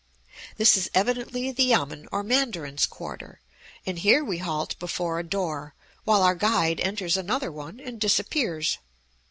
This is evidently the yamen or mandarin's quarter, and here we halt before a door, while our guide enters another one, and disappears.